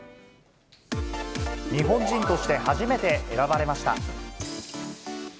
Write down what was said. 日本人として初めて選ばれました。